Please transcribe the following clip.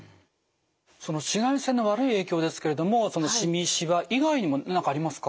その紫外線の悪い影響ですけれどもしみ・しわ以外にも何かありますか？